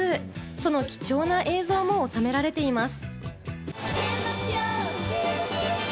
その貴重な映像もおさめられています。